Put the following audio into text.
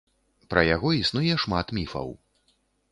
Пра яго існуе шмат міфаў.